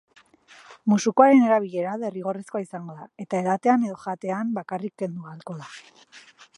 Musukoaren erabilera derrigorrezkoa izango da eta edatean edo jatean bakarrik kendu ahalko da.